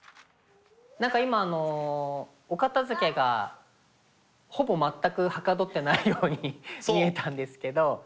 何か今お片づけがほぼ全くはかどってないように見えたんですけど。